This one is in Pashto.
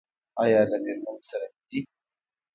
ایا له میرمنې سره وینئ؟